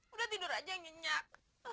udah tidur aja nyenyak